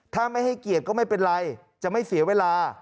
ถ้าไม่ให้เกียรติก็ไม่เป็นไรจะไม่เสียเวลา